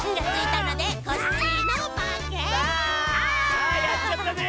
あやっちゃったね！